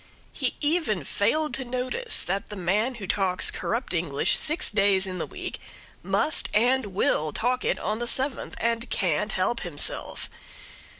He even failed to notice that the man who talks corrupt English six days in the week must and will talk it on the seventh, and can't help himself.